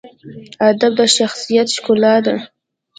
ادب د شخصیت ښکلا ده.